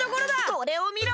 これをみろ！